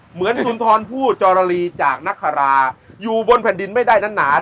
เหมือนสุนทรผู้จรลีจากนักคาราอยู่บนแผ่นดินไม่ได้นั้นหนา